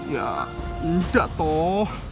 ya tidak toh